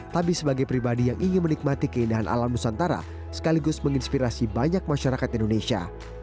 tapi sebagai pribadi yang ingin menikmati keindahan alam nusantara sekaligus menginspirasi banyak masyarakat indonesia